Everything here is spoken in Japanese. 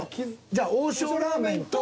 じゃ王将ラーメンと。